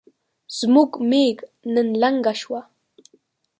زموږ ميږ نن لنګه شوه